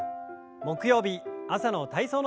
木曜日朝の体操の時間です。